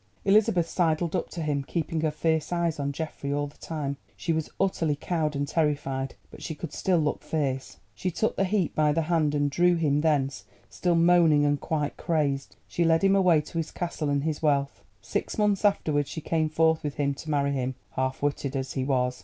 Elizabeth sidled up to him, keeping her fierce eyes on Geoffrey all the time. She was utterly cowed and terrified, but she could still look fierce. She took the Heap by the hand and drew him thence still moaning and quite crazed. She led him away to his castle and his wealth. Six months afterwards she came forth with him to marry him, half witted as he was.